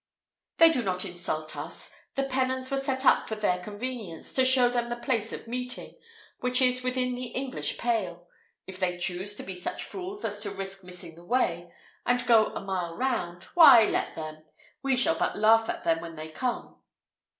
"They do not insult us. The pennons were set up for their convenience, to show them the place of meeting, which is within the English pale. If they choose to be such fools as to risk missing the way, and go a mile round, why, let them; we shall but laugh at them when they come."